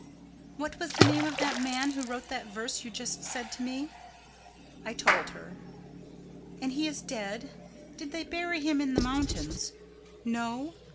"What was the name of the man who wrote that verse you just said to me?" I told her. "And he is dead? Did they bury him in the mountains? No?